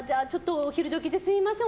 お昼時ですみません。